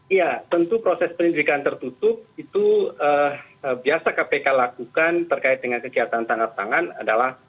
iya tentu proses penyelidikan tertutup itu biasa kpk lakukan terkait dengan kegiatan tangkap tangan adalah